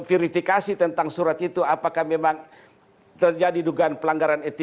berita yang tidak horor